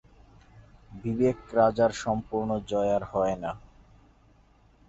বিবেক-রাজার সম্পূর্ণ জয় আর হয় না।